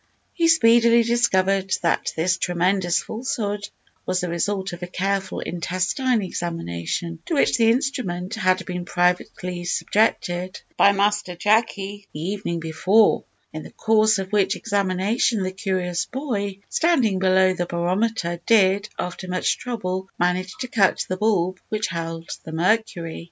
He speedily discovered that this tremendous falsehood was the result of a careful intestine examination, to which the instrument had been privately subjected by Master Jacky the evening before; in the course of which examination the curious boy, standing below the barometer, did, after much trouble, manage to cut the bulb which held the mercury.